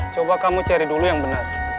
coba kamu cari dulu yang benar